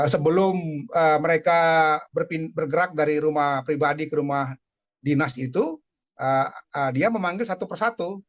sebelum mereka bergerak dari rumah pribadi ke rumah dinas itu dia memanggil satu persatu